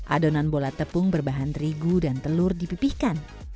adonan bola tepung berbahan terigu dan telur dipipihkan